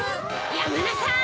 やめなさい！